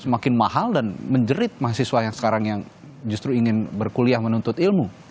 semakin mahal dan menjerit mahasiswa yang sekarang yang justru ingin berkuliah menuntut ilmu